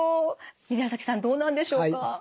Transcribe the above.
宮崎さんどうなんでしょうか？